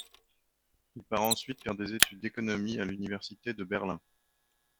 Il part ensuite faire des études d'économie à l'université de Berlin.